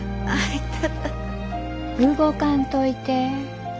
ああいや。